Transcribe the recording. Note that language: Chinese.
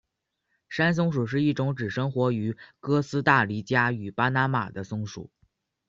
山松鼠是一种只生活于哥斯大黎加与巴拿马的松鼠。